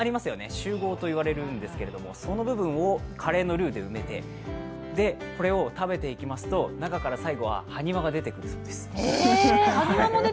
周濠といわれるんですけどカレーのルーで埋めて、これを食べていきますと、中から最後、埴輪が出てくるんです。